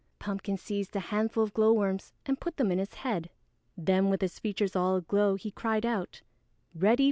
Pumpkin seized a handful of glowworms and put them in his head. Then with his features all aglow he cried out: "Ready for the dance!"